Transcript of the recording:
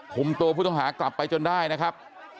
คุมตัวผู้ต้องหากลับไปจนได้นะครับ